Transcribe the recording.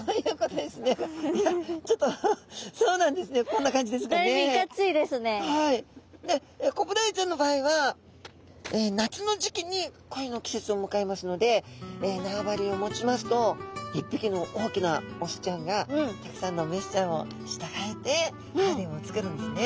こんな感じですかね。でコブダイちゃんの場合は夏の時期に恋の季節をむかえますので縄張りを持ちますと一匹の大きなオスちゃんがたくさんのメスちゃんを従えてハーレムを作るんですね。